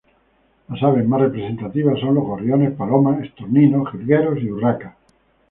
Las aves más representativas son los gorriones, palomas, estorninos, jilgueros y urracas.